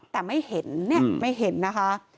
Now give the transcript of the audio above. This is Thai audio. แต่ไม่เห็นเนี่ยไม่เห็นนะคะ